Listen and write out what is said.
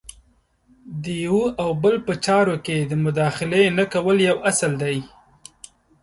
د یو او بل په چارو کې د مداخلې نه کول یو اصل دی.